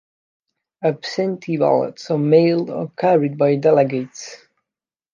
Absentee ballots are mailed or carried by delegates.